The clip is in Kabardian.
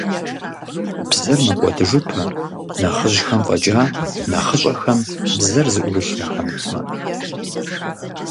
Бзэр мэкӀуэдыжыпэ, нэхъыжьхэм фӀэкӀа, нэхъыщӀэхэм бзэр зыӀурылъ яхэмытмэ.